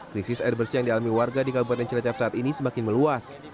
krisis air bersih yang dialami warga di kabupaten cilacap saat ini semakin meluas